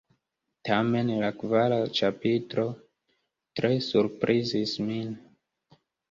Tamen la kvara ĉapitro tre surprizis min.